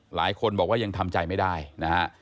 หลายคนบอกว่ายังทำใจไม่ได้นะฮะ